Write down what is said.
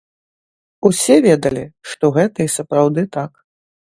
Усе ведалі, што гэта і сапраўды так.